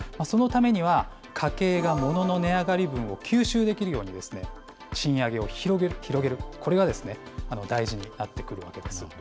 そのためには、家計がものの値上がり分を吸収できるように賃上げを広げる、これが大事になってくるわけです。